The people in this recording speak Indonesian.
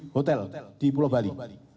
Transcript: hotel di pulau bali